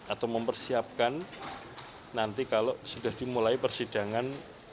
atau mempersiapkan nanti kalau sudah dimulai persidangan